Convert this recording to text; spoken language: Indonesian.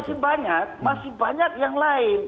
dan masih banyak masih banyak yang lain